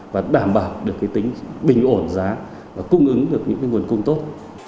và đảm bảo được cái tính bình ổn giá và cung ứng được những nguồn cung tốt